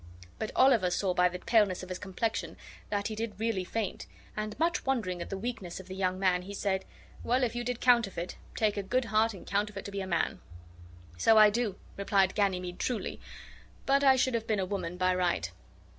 But Oliver saw by the paleness of his complexion that he did really faint, and, much wondering at the weakness of the young man, he said, "Well, if you did counterfeit, take a good heart and counterfeit to be a man." "So I do," replied Ganymede, truly, "but I should have been a woman by right."